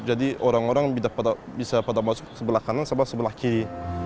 jadi orang orang bisa pada masuk sebelah kanan sama sebelah kiri